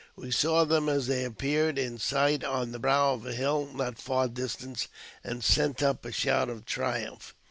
We saw them as the} appeared in sight on the brow of a hill not far distant, anc sent up a shout of triumph.